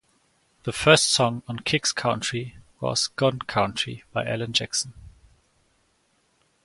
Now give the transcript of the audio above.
The first song on "Kicks Country" was "Gone Country" by Alan Jackson.